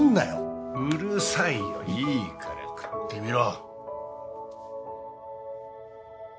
うるさいよいいから食ってみろ。